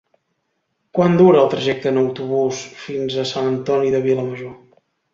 Quant dura el trajecte en autobús fins a Sant Antoni de Vilamajor?